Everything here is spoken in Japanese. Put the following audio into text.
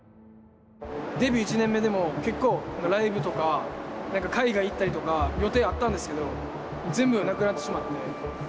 デビュー１年目でも結構ライブとか何か海外行ったりとか予定あったんですけど全部なくなってしまって。